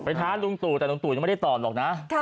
ท้าลุงตู่แต่ลุงตู่ยังไม่ได้ตอบหรอกนะ